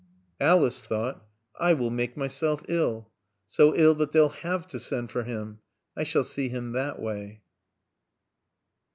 Alice thought, "I will make myself ill. So ill that they'll have to send for him. I shall see him that way."